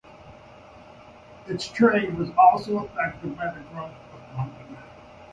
Its trade was also affected by the growth of London.